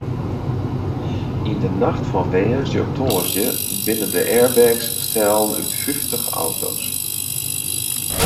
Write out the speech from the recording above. Yn de nacht fan woansdei op tongersdei binne de airbags stellen út fyftich auto's.